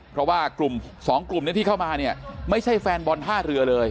เพราะว่ากลุ่มสองกลุ่มนี้ที่เข้ามาเนี่ยไม่ใช่แฟนบอลท่าเรือเลย